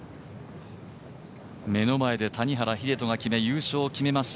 目の前で谷原秀人が優勝を決めました。